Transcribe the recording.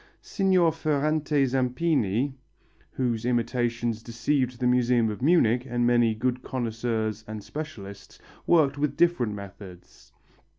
Signor Ferrante Zampini, whose imitations deceived the museum of Munich and many good connoisseurs and specialists, worked with different methods.